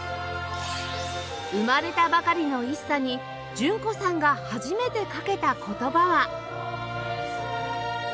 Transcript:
生まれたばかりの ＩＳＳＡ に純子さんが初めてかけた言葉は